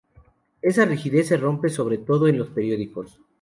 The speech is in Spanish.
Esa rigidez se rompe sobre todo en los periódicos.